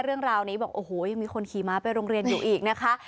เรื่องราวนี้บอกโอ้โหยังมีคนขี่ม้าไปโรงเรียนอยู่อีกนะคะ